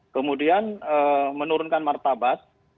kemudian menurunkan martabat